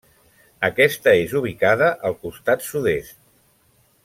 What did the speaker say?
Aquesta és ubicada al costat sud-est.